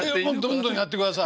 どんどんやってください。